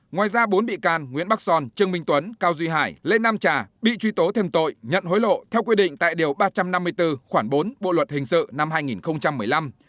ngoài ra bốn bị can nguyễn bắc son trương minh tuấn cao duy hải lê nam trà bị truy tố thêm tội nhận hối lộ theo quy định tại điều ba trăm năm mươi bốn khoảng bốn bộ luật hình sự năm hai nghìn một mươi năm